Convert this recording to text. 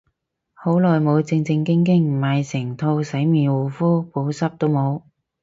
好耐冇正正經經買成套洗面護膚，補濕都冇